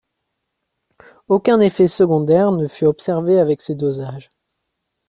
Aucun effet secondaire ne fut observé avec ces dosages.